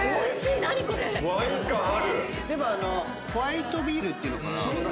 何これ⁉でもホワイトビールっていうのかな。